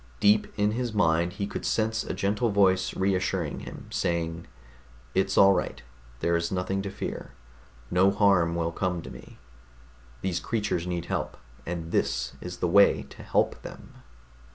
Deep in his mind he could sense a gentle voice reassuring him, saying, _It's all right, there is nothing to fear, no harm will come to me. These creatures need help, and this is the way to help them.